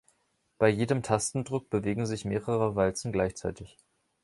Bei jedem Tastendruck bewegen sich mehrere Walzen gleichzeitig.